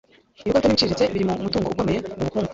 Ibigo bito n'ibiciriritse biri mu mutungo ukomeye mu bukungu